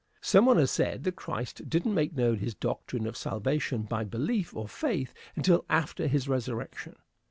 Some one has said that Christ didn't make known this doctrine of salvation by belief or faith until after his resurrection.